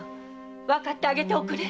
〔わかってあげておくれ。